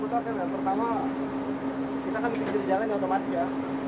kendalanya kalau kita diputar kan pertama kita kan pingsir jalan ya otomatis ya